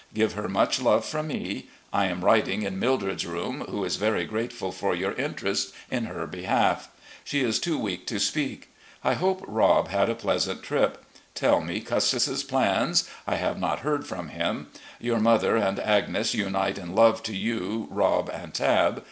Give her much love from me. I am writing in Mildred's room, who is very grateful for your interest in her behalf. She is too weak to speak. I hope Rob had a pleasant trip. Tell me Custis's plans. I have not heard from him. Your mother and Agnes tmite in love to you, Rob, and Tabb.